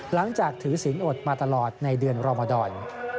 หลังจากถือศีลอดมาตลอดในเดือนรมดร